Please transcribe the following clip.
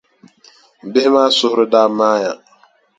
Bihi maa suhiri daa maaya.